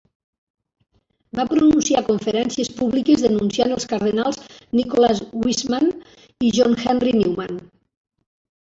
Va pronunciar conferències públiques denunciant els cardenals Nicholas Wiseman i John Henry Newman.